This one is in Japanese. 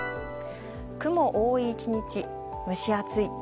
雲多い１日、蒸し暑い。